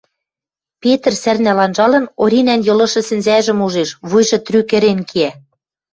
Петр, сӓрнӓл анжалын, Оринӓн йылышы сӹнзӓжӹм ужеш, вуйжы трӱк ӹрен кеӓ.